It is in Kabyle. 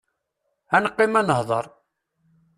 Ad neqqim ad nehder!